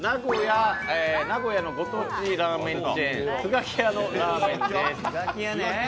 名古屋のご当地ラーメンチェーンスガキヤのラーメンです。